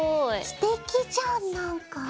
すてきじゃん！何か。